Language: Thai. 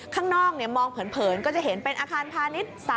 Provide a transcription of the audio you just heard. ข้างนอกมองเผินก็จะเห็นเป็นอาคารพาณิชย์